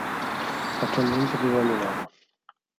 Attualmente vive a Milano.